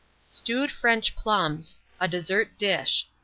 STEWED FRENCH PLUMS. (A Dessert Dish.)